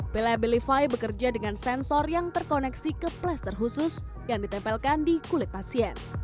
pila abilify bekerja dengan sensor yang terkoneksi ke plaster khusus yang ditempelkan di kulit pasien